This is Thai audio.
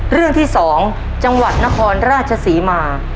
เรื่องที่๒จังหวัดนครราชศรีมา